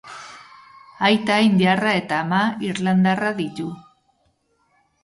Aita indiarra eta ama irlandarra ditu.